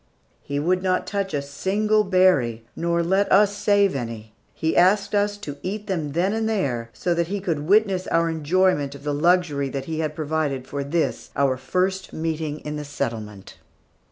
He would not touch a single berry, nor let us save any. He asked us to eat them then and there so that he could witness our enjoyment of the luxury he had provided for this, our first meeting in the settlement.